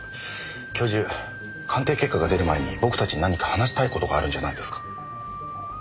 教授鑑定結果が出る前に僕たちに何か話したい事があるんじゃないですか？